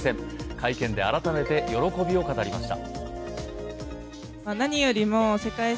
会見で改めて喜びを語りました。